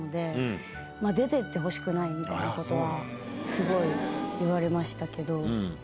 すごい言われましたけど。